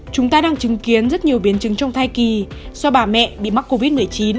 chúng ta đang chứng kiến rất nhiều biến chứng trong thai kỳ do bà mẹ bị mắc covid một mươi chín